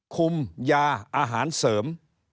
คุมยาอาหารเสริม